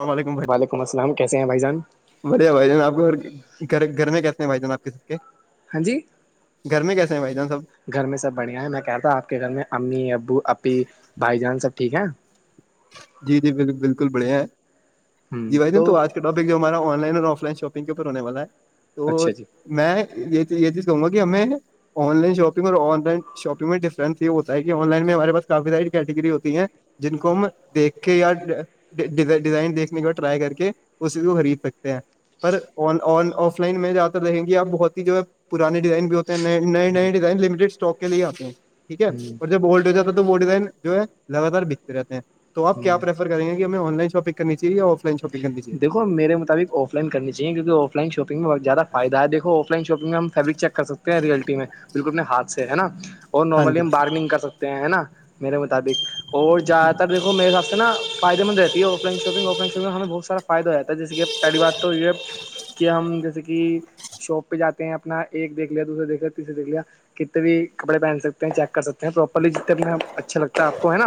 السلام علیکم بھائی وعلیکم السلام کیسے ہیں بھائی جان بڑھیا بھائی جان آپ کو اور گھر گھر میں کیس ہیں بھائی جان آپ کے سب کے ہاں جی گھر میں کیسے ہیں بھائی جان سب گھر میں سب بڑھیا ہے میں کہتا تھا آپ کے گھر میں امی ابو اپی بھائی جان سب ٹھیک ہیں جی جی بالکل بڑھیا ہے جی بھائی جان تو آج کس ٹاپک جو ہمارا آن لائن اور آف لائن شاپنگ کے اوپر ہونے والا ہے تو اچھا جی میں یہ یہ چیز کہوں گا کہ ہمیں آن لائن شاپنگ اور آن لائن شاپنگ میں ڈفرنس یہ ہوتا ہے کہ آن لائن میں ہمار پاس کافی ساری کیٹیگری ہوتی ہیں جن کو میں دیکھ کے یا ڈیزائن دیکھنے کا ٹرائی کر کے اس کو خرید سکتے ہیں پر آن آف لائن میں جیا رہیں گی آپ بہت ہی جو ہے پرانے ڈیزائن بھی ہوتے نئے نئے نئے ڈیزائن لمٹیڈ اسٹاک کے لیے آتے ہیں ٹھیک ہے ہ اور جب اولڈ ہو جاتا تو وہ ڈیزائن جو ہے لگاتار بکتے رہتے ہیں تو آپ ہ کیا پرریفر کریں گے کہ ہمیں آن لائن شاپن کرنی چاہیے آف آف لائن شاپن کری دیکو میر مطابق آف لائن کرنی چاہیے کیونک آف لائن شاپگ میں بہ زدہ فائدہ ہےیکھ آف لائن شاپگ میں ہم فیبرک چیک کر سکتے ہیں ریلٹی میں بالکل اپنے ہاتھ سے ہے ‌ نا اور ہاں نارملی جی ہم بارگننگ کر سکتے ہیں نا میرے مطابق اور زیادہ تر دیکھو میرے حساب سے نا فائدے مند رہتی ہے offline shopping offline shopping میں ہمیں بہ سارا فائد ہوات ہے جسے پہلی بات تو یہ ہے کہ ہم جیسے کہ شاپ پہ جاتے ہیں اپنا ایک دیکھ لیا دوسرے دیکھ لیا تیسر دیکھ لیا کتنے بھی کپڑے پہن سکتے چیک کر سکتے ہیں پراپرلی جتنے اپنے اچھا لگتا ہے آپ کو ہے نا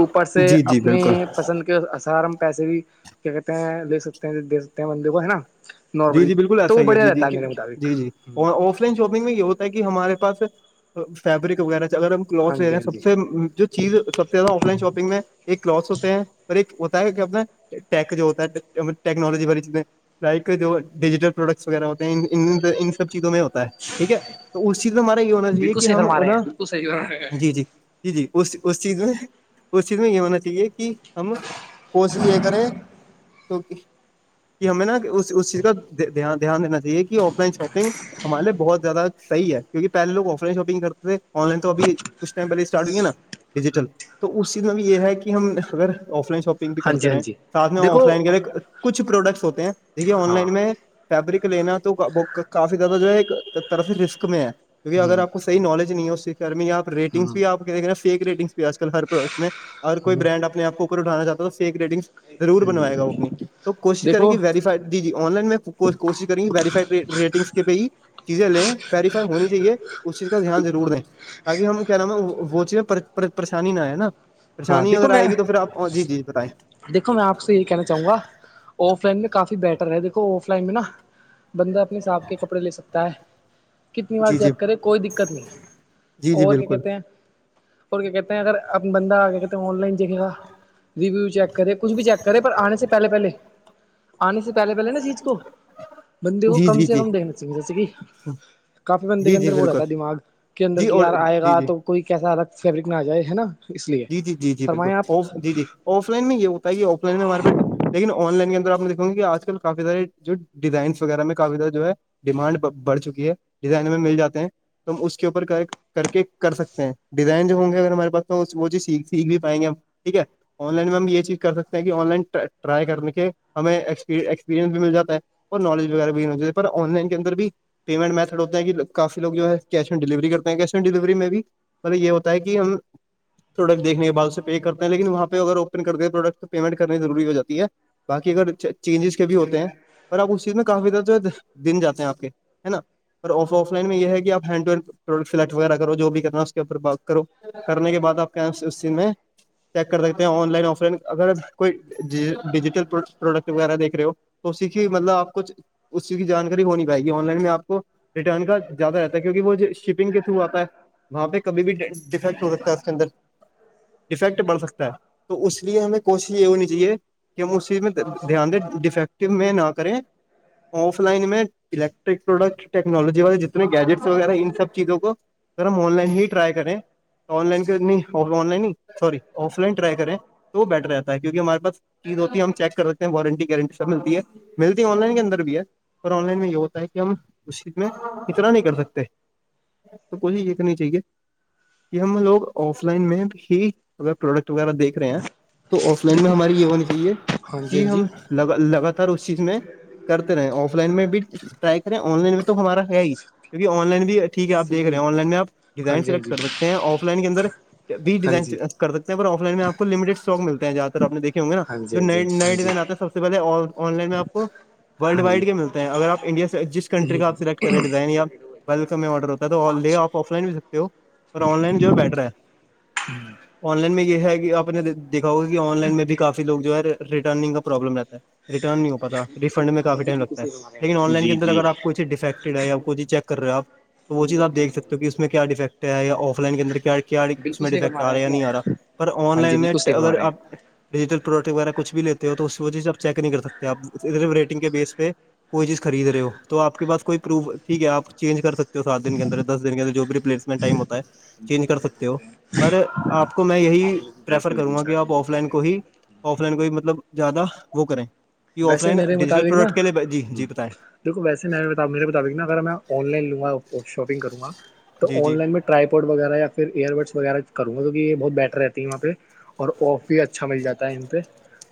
اوپر سے جی جی اپنی بالکل پسند آ سار ہم پیسے بھی کیا کہتے ہیں لے سکتے ہیں دے سکتے ہیں بندے کو ہے نا جی نارملی جی بالکل تو ایسا وہ ہی ہے بڑھیا جی جی رہتا میرے مطابق جی جی اور آف لاین شاپنگ میں یہ ہوتا ہے کہ ہمارے پاس فیبرک وغیرہ اگر ہم ہاں کلاتتس لے جی رہا ہاں ہیں جی سب سے جو چیز سب سے آف لائن شاپنگ میں ایک کلتھس ہوتے ہیں پر ایک ہوتا ہے کیا اپنا ٹیک جو ہوتا ہے ٹیکنالوجی والی چیز میں جو ڈیجیٹل پروڈکٹس وغیرہ ہوتے ہیں ان ان سب چیزوں میں ہوتا ٹھیک ہے تو اس چیز میں ہمارا یہ ہونا چاہیے بالکل کہ صحیح ہم فرما رہے نا ہیں جی جی جی جی اس اس چیز میں اس چیز میں یہ ہونا چاہیے کہ ہم کوشش یہ کریں کیکہ کہ ہمیں نا اس اس چیز کا دھیان دھیان دینا چاہے کہ آف لائن شاپنگ ہمارے بہت زیادہح ہے کیونہ پہل لو آف لائن شاپنگ کرتے تھے آن لائن توبھی کچھ ٹائم پہلے اسٹارٹ ہو ہے نا ڈیجیٹل تو اس چیز میں بھی یہ ہے کہ ہم اگر آف لائن شاپنگ بھی ہاں جی کرتے ہاں رہے جی ساتھ میں دیکھو آف لائن کے کچھ پروڈکٹس ہوتے ہیں دیکھیے آن ہاں لائن میں فیبرک لینا تو وہ کافی زیادہ جو ہے ایک طرف سے رسک میں ہے کیونکہ اگر ہ آپ کو صحیح نالج نہیں ہے اس کے خیال میں آ ریٹنگس ہ بھی آپ فیک ریٹنگس آج کلر پرڈٹ میں اگر کوئی ہ برانڈ اپنے آ کوو اٹھانا چاہتا تو فیک ریٹنگس ضرور بنوائے گا وہ اپنی تو کوشش کریں دیکھو گی verified G G on line میں کوشش کری ویریفائڈ ریٹنگس کے پہ ہی چیزیں لیں ویریفائی ہونی چاہیے اس چیز کا دھیان ضرور دیں تاکی ہم کیا نام ہے وہ چیزیں پریشانی نا آیے نا ہاں پریشانی اگر آئے گی تو پھر آپ جی جی بتائیں دیکو میں آپ سے یہ کہنا چاہوں گا آف لائن میں کافی بیٹر ہے دھو آف لائن میں نا بندہ اپنے حساب کے کپڑے لے سکتا ہے کتنی بار جی جی چیک کرے کوئی دقت نہیں جی جی اور کیا بالکل کہتے ہیں اور کیا کہتے ہیں اگر بندہ کیا کہتے آن لائن دیکھیں گا ریویو چیک کرے کچھ بھی چیک کرے پر آنے سے پہلے پہلے انے سے پہلے پہلے سیکھ کو بندے کو جی کم جی سے جی کم دیکھنا چاہیے جیسے کہ کافی بندے کے جی جی اندر وہ بالکل رہتا دماغ کے اندر جی کہ اور یار آئے جی گا جی تو کوئی کیسا الگ فیبرک نہ آ جائے ہے نا اس لیے جی جی جی جی فرمائیں آپ بالکل جی جی آف لائن میں یہ بتائیے آف لائن میں ہمارے پٹ لیکن آن لائن کے اندر آپ نے کیونکہ آج کل کافی سارے جو ڈیزائنس وغیرہ میں کافی سارہ جو ہے ڈیمانڈ بڑھ چکی ہے ڈیزائن میں مل جاتے ہیں تو ہم اس کے اوپر کر کے کر سکتے ہیں ڈیزائن جو ہوں گے اگر ہمارے پاس تو وہ چی سیک سیکھ بھی پائیں گے ہم ٹھیک ہے آن لائن میں ہم یہ چیز کر سکتے ہیں کہ آن لائن ٹرائی کرنے کے ہمیں ایکسپیرئنس بھی مل جاتا ہے اور نالج وغیرہ بھی نہیں ہو چاہیے پر آن لائن کے اندر بھی پیمنٹ میتھڈ ہوتے گی کافی لوگ جو ڈلیوری کرتے ہیں ک میں بھی ملب یہ ہوتا ہے کہ ہم پروڈکٹ دیکنے کے بع اس پے کرتے ہیں لیکن وہاں پہ اگر اوپن کر د پروڈکٹ تو پیمنٹ کرنی روری ہو جی ہے باقی اگر چینجز کے بھی ہوتے ہیں اور آپ اس چیز میں کافی زیادہ جو دن جاتے ہیں آپ کے ہے نا اور آف لائن میں یہ ہے کہ آ ہینڈ ٹو ہین فٹ وغیرہ کرو جو بھی کرنا ہے اس کے اوپر بات کرو کرنے کے بعد آپ کہاں اس دن میں چیک کر سکتے ہیں آن لائن آف لائن اگر کوئی ڈیجیٹل پروڈکٹ وغیرہ دیکھ رہے ہو تو سیکھی بندہ اپ کو سی کی جانکاری ہونی بھائی ان لائن میں اپ کو ریٹرن کا زیادہ رہتا ہے کیونکہ وہ جو شپنگ کے تھرو اتا ہے وہاں پہ کبھی بھی اس کے اندر ایفیکٹ پڑھ سکتا ہے تو اس لیے ہمیں کوشش یہ ہونی چاہیے کہ مصیبت میں نہ کریں آف لائن میں الیکٹرک پروڈکٹ ٹیکنالوجی والے جتنے گیجیٹس وغیرہ ہیں ان سب چیزوں کو سر ہم آن لائن ہی رائی کریں آ لن کر نہیں لن ہی سور آف لائن رائی کریں تو بیٹر رہتا ہے کیونکہ ہمارے پاس چیز ہوتی ہے ہم چیک کر لیتے ہیں وارنٹی گارنٹی سب ملتی ہے ملتی آن لائن کے اندر بھی ہے اور آن لائن میں یہ ہوتا ہے کہ ہم اس چیز میں اتنا نہیں کر سکتے تو کوھے یہ کرنی چاہیے کہ ہم لوگ آف لائن میں بھی اگر پروڈکٹ وغیرہ دیکھ رہے ہیں تو اس لائن میں دیکھو ہماری یہ ہونی چاہیے ہاں جی ہاں جی لگاتار اس چیز میں کرتے رہے آف لائن میں بھی ٹرائی کریں آن لائن میں تو ہمارا ہے ہی کیونکہ آن لائن بھی ٹیک آپیک سدی رہے ہیں آن لائن میں آ ہاں ڈیزائن جی سلیکٹ کر سکتے ہیں آف لائن کے اندر بھی ہاں ڈیزائن جی کر سک ہیں پر آف لن آپ کو لٹڈ اسٹ ملتے ہیں جاتہ آپ دیکھے ہوں گے نا ہاں جو نئے جی ہاں نئے جی ڈیزائن آتے ہیں سب سے پہلے آن لائن میں آپ کو ورلڈ ہاں جی وائڈ کے ملتے ہیں اگر آپ انڈیا جس کنٹری کا آپ سلیکٹ کریں ڈیزائن یا بلک میں آرڈر ہوتا ہے تو ہاں لے آپ آف لائن بھی سکتے ہو اور آن لائن جو ہے بیٹر ہے [unintelligible] ان لائن میں یہ ہے کہ اپ نے دیکھا ہوگا کہ ان لائن میں بھی کافی لوگ جو ہے ریٹرننگ کا پرابلم ہے ریٹن نہیں ہواتا جی رفنڈ میں ہاں کافی ٹائم لگتا ہے جی لیکن آن لائن کے اندر اگر آپ کوئی چز ڈیفیکٹڈ ہے یا کوئیی چیک کر رہے ہو آپ وہ چیز آپ دیک سکتے ہو کہ اس میں کیا ڈیفیکٹ ہے یا آف لائن کے اندر کیا بالکل میں صحیح ڈیفیکٹ فرما آ رہے رہا ہیں یا جی نہیں آ رہا آپ پر آن ہاں جی لائن میں بالکل صحیح فرما اگر رہے ہیں آپ ڈیجیٹل پروڈکٹ وغیرہ کچھ بھی لیتے ہو تو اس چیز آپ چیک نہیں کر سکتے آپھر ریٹنگ کے بیس پہ کوئی چیز خرید رہے ہو تو آپ کے پاس کوئی پروف ٹھیک ہے آپ چینج کر سکتے سات دن کے اندر دس دن کے اندر جو بھی ر پلیسمنٹ ٹائم ہوتا ہے چینج کر سکتے ہو پر آپ کو میں یہی پریفر کروں گا کہ آپ آف لائن کو ہی آف لائن کوئی مطلب زیادہ وہ کریں یہ آف ویسے لائن میرے ڈیجیٹل مطابق نا پروڈکٹ کے لیے جی جی بتائیں دیکھو ویسے بتا د نا اگر میں آن لائن لوں گا شاپنگ کروں گا تو جی جی آن لائن میں رائیپورڈ وغیرہ یاھر ایئرڈس وغیرہ کر گا کیون کہ یہ بہت بیٹر رہتی ہے یہاں پہ اور آف بھی اچھا مل جاتا ہے ان پہ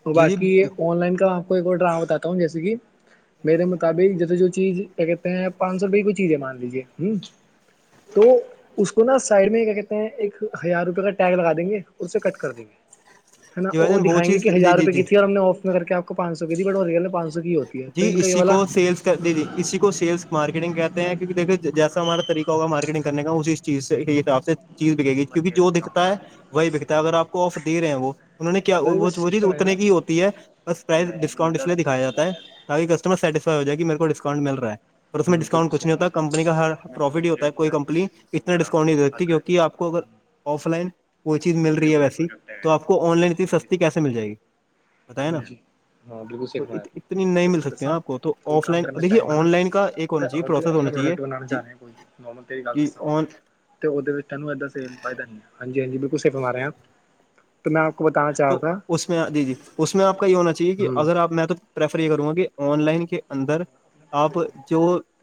اور جی جی باقی جی یہ آن لائن کا ایک آڈر آ بتاتا ہوں جیسے کہ میرے مطابق جیسے جو چیز کیا کہتے ہیں آپ پانچ سو روپئے کو چیزیں مان لیجیے ہ تو اس کو نا سائڈ میں کیا کہتے ہیں ایک ہزار روپے کا ٹگ لگا دیں گے اور اسے کٹ کر دیں گے ہے نا بھائی وہ جان دکھائیں چیز گے جی ہزار جی روپئے کی جی تھی اور ہم آف میں کر کے آپ کوانچ سو کی ت بٹ اور ریل نے پان سو کی ہوتی ہے تو ان کا یہ والا دی اسی کو سیلس مارکیٹنگ کہتے ہیں کیونک دیکھے جیسا ہمارا طریہ ہوگ ماریٹنگ کرنے کا اسی چیز سے حساب سے چیز بکے گی کیک کہ جو دکھتا ہے وہی بکتا ہے اگر آپ کو آف دے رہے ہیں وہ انہوں نے کیا وہ چیز سسٹم ہے نا اتنے کی ہی ہوتی ہے بس پرائز ڈسکاؤنٹ اس لیے دکھایا جاتا ہے کسٹمر سیٹسفائی ہو جائے گی میرے کو ڈسکاؤنٹ مل رہا ہے اور اس ہوں میں ڈسکانٹ بالکل کچھ صحیح نہیں ہاں ہوتا کمپنی کا ہر پروفٹ ہی ہوتا ہے کوئی کمپنی اتنا ڈسکاؤنٹ نہیں د دیتی کیکہ آپ کو اگر آف لائن کوئی چیز مل رہی ہے ویسی تو آ کو آن لائن اتنی سستی کیسے مل جائے گی بتائیں نا جی ہاں بالکل تو سیکھنااپ اتنی نہیں مل سکتے ہیں آپ کو تو آف لائن دیکھیے چاہیں گا نا آن لائن کا ایک ہونا چاہیے اگر ت پروسیس اپنا ہونا چاہیے پروڈکٹ بنانا جی چاہے کو نارمل تری گ جی دسا نا آن تو اد ت اد سیل پائا نہیں ہے ہاںی ہاںی بالکل سف مارے ہ تو میں آپ کو بتاوں تو اس میں جی جی اس میں آپ کا یہ ہونا چاہیے کہ ہوں اگر آپ میں تو پرریفر یہ کروں گا کہ آن لائن کے اندر آپ جو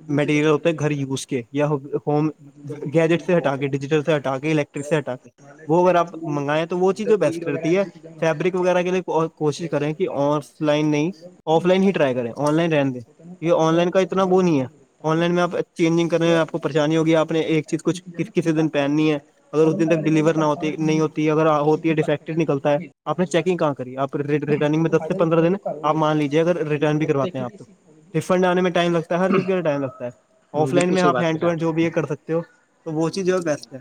دوسرے میٹیریل بندے کو ہوتے شیئر گھر کرا یوز پہلے کے یا ہوم مطلب جب کسی گیجٹ بھی سے شاپ ہٹا ہے کے ڈیجیٹل سے ہٹ کے الیکٹرک وہ سے ہٹا کے وہ اگر ٹائم آپ ٹو منگائے تو وہ چیز جدھر میٹ بیسٹ وغیرہ رہتی ہے چکن کھانا ہے فیبرک وغیرہ کے لیے کوشش تگڑی کریں کہ آف لائن نہیں آف لائن ہی رائی کریں آن لائن رہن د یہ آن لائن کا ات ودیا وہ نہیں ہے رسپانس ملتا آن ہے لائن میں آپ چینجنگ کرنے کیونکہ میں آپ کو پریشانی ہوگی آپ نے ایک چیز ایسا بھی کچ ہے ک نا کبھی کسی دن کاٹتا پہننی ہے اگر وہ اس دن بندہ تک کرے گا وہ تو ڈیلیور نہ کٹ ہو پائے سان نہیں کوئی ہوتی دقت اگر نہیں اسی ہوتی ہے کو ڈیفیکٹ نکلتا ہے کٹ آپ نے چیکنگ کہاں کری آپ ریٹرنگ میں تو دس سے فائدہ پندرہ رکھے گا دن تو کرو آپ بیچے مان گا لیجیے ساٹھ اگر ستر گریب ریٹرن بھی دیکھ کروے کے آپ بھی کس فنڈ آنے میں ٹائم لگتا ہے ہر چیز کے لی ٹائم لگتا ہے آف لائن بالکل صحیح میںپ بات ہینڈ ٹ کریں آپ ہینڈ جو بھی کر سکتے ہو تو وہ چیز جو ہے بیسٹ ہے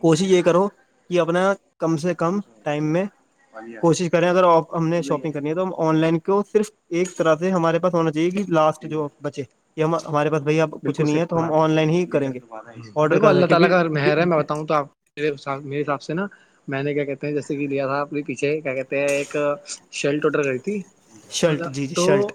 کوشش یہ کرو کہ اپنا کم سے کم کم ٹائم میں کوشش کریں اگر آ ہم نے شاپنگ کرنی ہے تو ہم آن لائن کو صرف ایک طرح سے ہمارے پاس ہونا چاہیے کہ لاسٹ جو بچے ہمارے پاس بھائیپ آڈر کر سکیں کیونکہ [unintelligible] میرے میرے حساب سے نا میں نے کیا کہتے ہیں جیسے کہ لیا تھا اپنے پیچھے کیا کہتے ہیں ایک شیلٹ ووٹر کری تھی مط شرٹ جی جی تو شرٹ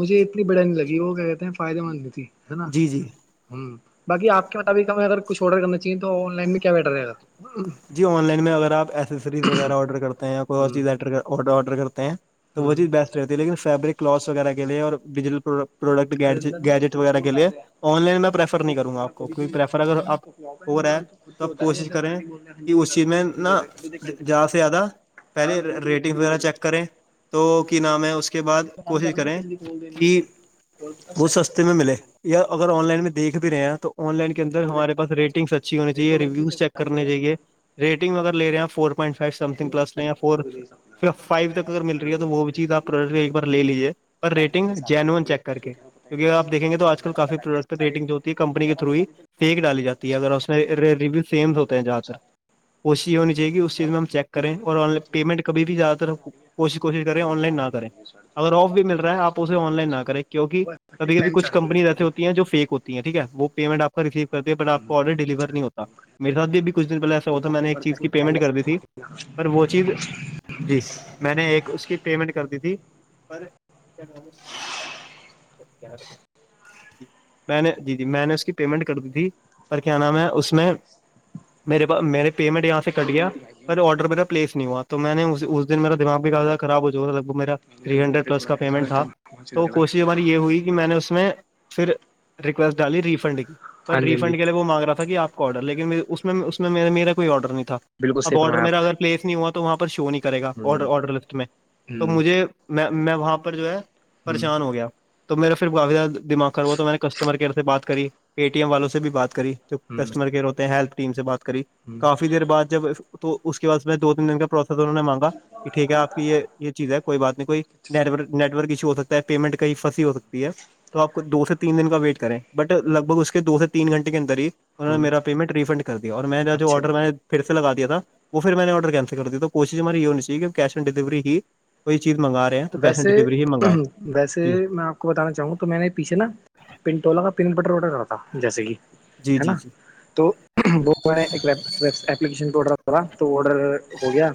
مجھے اتنی بڑیا نہیں لگی وہ کیا کہتے ہیں فائدے مند بھی تھی ہے نا جی جی ہ باقی آپ متابق ہمیں اگر کچھ آرڈر کرنا چاہیے تو آن لائن میں کیا بیڈر رہے گ جی آن لائن میں اگر آپ ایسریز وغیرہ آرڈر کرتے ہیں یا کوئی اور ہ چیزر آرڈر کرتے ہیں تو وہ ہ چیز بیسٹ رہتی ہے لیکن فیبرک کلاتھس وغیرہ کے لیے اور بجل پرو پروڈکٹ اندر نا گیجٹ جو وغیرہ کول کے لیے کر رہا ہے آن لائن میں پرفر نہیں کروں گا آپ کو کوئی پریفر اگر آپ ہو رہا ہے تو آپ کوشش کریں کہ اس چیز میں نا [unintelligible] جا سے زیادہ پہلے ریٹنگ وغیرہ چیک [unintelligible] کریں تو کی نام ہے اس کے بعد کام کوشش کرنا نا کریں کسی کی کال دینی کہ وہ ہوئی۔ سس [unintelligible] میں ملے یا اگر آن لائن میں دیکھ بھی رہے ہیں تو [unintelligible] آن لائن بی اندر کو ہمارے کر پاس رہے ہو رٹنگس اچھی ہو میری کو چاہیے لگتی تھی رویوز چیک کر چاہیے [unintelligible] ریٹنگ میں اگر لے رہے آپ four point four something plus لیں یا فور پھر فائیو تک اگر مل رہی ہے تو وہ بھی چیز آپ پروڈٹ ایک بار لے لیجیے [unintelligible] اور ٹائمنگ ریٹنگ کے ساتھ بنا جینوئن چیک دیا کر کے چھوٹیاں پتہ ہی کیکہ اگر آپ کتنے دیکیں گے تو آج آن کل لائن پتہ کافی لگ گیا پروڈکٹس ساڑھے ریٹنگ جو ہوتی ہے کمپنی کے گیارہ تھرو ہی پینتالیس فیک ڈالی جی ہے اگر اس میں ریویو سیم ہوتے ہیں زیادہ تر [unintelligible] کوشی ہونی چاہیے اس [unintelligible] ز میں ہم چیک کریں اور آن لائن پیمنٹ کبھی بھی زیادہ تر کوش کوشش کریں آن لائن نہ کریں [unintelligible] اگر آف بھی مل رہا ہے آپ اسے آن لائن نہ کریں کیہ کبھی کب ٹائم کچھ چاہتی ہے کمپنیز رہ بجلی ہو ہیں جو فیک ہوتی ہیں ٹھیک ہے وہ پیمنٹ آپ کا رسیو [unintelligible] تے پ پر آپ آڈر ڈلیورڈ نہیں ہوتا میرےاتھ بھی کچھ دن پہلے ایسا تو ہو تھا میں نے فون ایک پر چیز کی تھی پیمنٹ کر دی تھی تھوڑا پر وہ چیز جی میں نے ایک اس کی پیمنٹ کر دی تھی پر کیا کیا [unintelligible] میں نے جی جی میں نے اس کی پیمنٹ کر دی تھی پر کیا نام ہے اس میں میرے پاس میرے پیمنٹ یہاں سے کٹ گیا ا آرڈر میرا پلیس نہیں ہوا تو میں نے اس دن ما دماغ بھی کاد خراب ہو جا میرا تھری ہنڈریڈ پلس کا پیمنٹ تھا ہاں تو کوشش جی ہماری یہ ہوئی کہ میں نے اس میں پھر ریکویسٹ ڈالی ریفنڈ کی پر ہاں جی ریفنڈ کے لیے وہ مانگ رہا تھا کہ آپ آڈر لیکن میں میرا کوئی آڈر نہیں تھا بالکل اب صحیح آرڈر فرمایا آپ میرا اگر پلیس نہیں ہوا تو وہاں پر شو نہیں کرے گا آڈر لفٹ میں نے تو مجھے میں میں وہاں پر جو ہے ہ پریشان ہ ہو گیا تو میرا پھر کافی زیادہ دماغ کر ہوا تو میں نے کسٹمر کیئر سے بات کری پے ٹی ایم والوں سے بھی بات کری جو ہ کسٹمر کیئر ہوتے ہیں ہیلپ ٹیم سے بات کری ہ کافی دیر بع جب تو اس کے بعد دو تین دن کےع پروسیس انہوں نے مانگا کہ ٹھیک ہے آپ کی یہ یہ چیز ہے کوئی بات نہیں کوئی نیٹ ورک ایشو ہو سکتا ہے پیمنٹ کہیں پنسی ہو سکتی ہے تو آپ کو دو سے تین دن کا ویٹ کریں بٹ لگ بھگ اس کے دو سے تین گنٹے کے اندر ہی انہ ہ نے میرا پیمنٹ ریفنڈ کر دیا اور میرا جو اچھا آڈر میں نے پھر سے لگا دیا تھا وہ پھر میں نے آرڈر کینسل کر دی تو کوش ہماری یہ ہونی چاہیے کہ کیش آن ڈلیوری ہی کوئی چیز مگا ویسے ویسے میں آپ بتانا چاہوں تو میں نے پیھے نا پنٹولا کا پن بٹر روڈر کرا تھا جیسے کہ جی ہے جی نا جی تو وہ میں نے ایک اپلیکیشن پہ آڈر کرا تو آڈر ہو گیا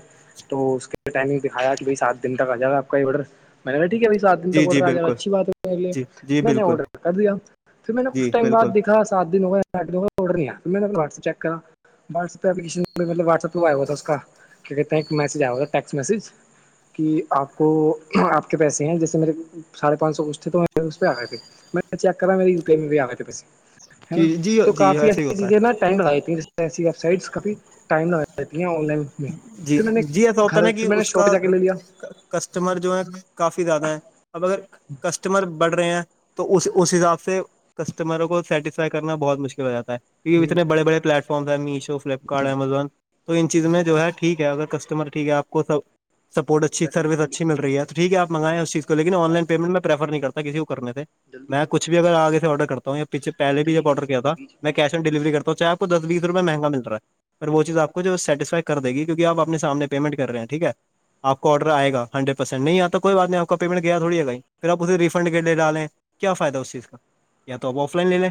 تو اس کے ٹائمنگ دکھایا کہ بھائی سات دن تک آ جائے گا آپ کا یہ آرڈر میں نے ٹھیک ہے بھائی سات دن جی تک جی آرڈر آ جا بالکل اچھی بات ہے میر لیے جی جی میں نے بالکل آرڈر کر دیا پھر میں نے کھ جی ٹائم بع بالکل دا س دن ہویا آھ دن ہو گ آڈر نہیںیاھر میں نے اپ واٹسپ چیک کرا واساس ہوا اس کا کیا کہتے ہیں ایک میج آیا ہوا تھا ٹیکس میج کہ آپ کو آپ کے پیسے ہیں جیسے میرے ساھے پانچ سو کو چھ تھے تو اس پہ آ گئے تھے میں چیک کرا میرے ی پی آئی میں بھی آئے تھے پیسے نا جی جی تو جی کافی ایسے ہی ایسی ہوتا ہے چیزیں نا ٹائم لگ جاتی ہیں ای ویب سائٹ کافی ٹائم لگ رہتی ہیں آن لائن میں جی پھر میں نے جی ایسا ہوتا گھر نا کہ پھر میں نے اس شاپہ کا جا کے لے لیا کسٹمر جو ہے کافی زیادہ ہے اب اگر کسٹمر بڑھ رہے ہیں تو اس اس حساب سے کسٹمروں کو سیسفائی کرنا بہت مشکل ہو جا ہےہ اتنے بڑے بڑے پلیٹ فارمس ہیں میشو فلپکارٹ امیزون تو ان چیز میں جو ہے ٹھیک ہے اگر کسٹمر ٹھیک ہے آپ کو سب سپورٹ اچھی دس دس سروس منٹ کی اچھی م کرانی رہ یہاں ہے تو ٹھیک پر آپنگائیں اس چی کو لیکن آن چار لائن ٹائم لے پیمنٹ رہے ہیں میںریفر نہیں کرتاسی کو کرنے سے جلدی میں کرو کچھ بھی اگر آگے آرڈر کرتا ہوں یا پچھ پہل بھی تین ہی جب کرنی آرڈر کیا پڑیں گی تھا بیچ میں بیچ کیش آن ڈلیوری کرتا ہوں چ آپ دس بیس روپئے مہنگال رہ ہے اور وہ چیز آ کو جو سیٹسفائی کر دے گی کیونکہ آپ اپنے سامنے پیمنٹ کر رہے ہیں ٹھیک ہے آپ آرڈر آئے گا ہنریڈ پرسین نہیں آ تو کوئی ب نہیں آپ پیمنٹ کیا تھوڑی بھا ہی پھر آپ اسے ریفنڈ کے لیے ڈالیں کیا فائدہ اس چیز کا یا تو آپ آف لائن لے لیں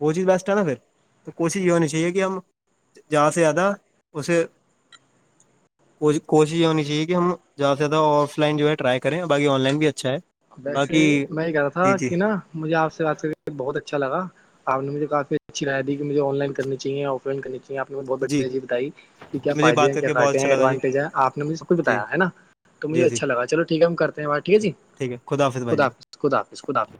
وہ چیز بیسٹ ہے نا پھر تو کوشش یہ ہونی چاہیے کہ ہم زیادہ سے زیادہ اسے کو کوش یہ ہونی چاہے کہ ہم زیادہ سے زدہ آف لائن جو ہے ٹرائی کریں باقی آن لائن بھی اچھا ہے ویسے باقی میں گا تھا جی جی کہ نا مجھے آ سے بات کر کے بہت اچھا لگ آپ نے مجھے کافی اچھی رائے دی کہ مجھے آن لائن کرنی چاہیے اور کرنیپ نے بہت جی بڑیای بتائی کہ کیا جی مجھے فائدے بات ہیں کر کیا کے بہت کٹے ہیں اچھا لگا جی ایڈوانٹیج آپ مھے سب کچھ جی بتایا ہے نا تو مجھ جی جی اچھا لگ چوٹھیک ہے کر ہیں ب ٹھیک جی ٹھیک ہے خداحافظ خدافظ خدافظ